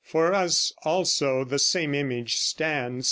For us also the same image stands.